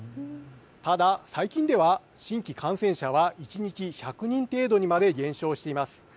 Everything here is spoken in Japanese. ただ、最近では新規感染者は１日１００人程度にまで減少しています。